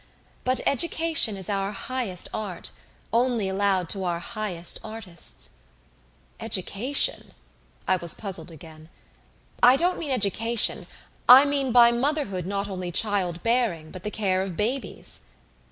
But education is our highest art, only allowed to our highest artists." "Education?" I was puzzled again. "I don't mean education. I mean by motherhood not only child bearing, but the care of babies."